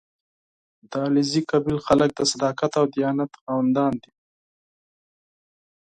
• د علیزي قوم خلک د صداقت او دیانت خاوندان دي.